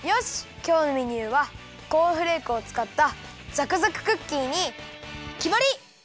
きょうのメニューはコーンフレークをつかったざくざくクッキーにきまり！